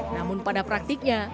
namun pada praktiknya